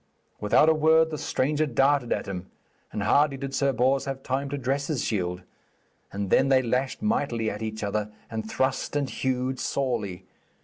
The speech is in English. Without a word the stranger darted at him, and hardly did Sir Bors have time to dress his shield; and then they lashed mightily at each other, and thrust and hewed sorely.